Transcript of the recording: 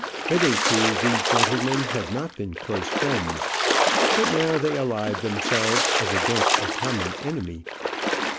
Hitherto these gentlemen had not been close friends; but now they allied themselves as against a common enemy.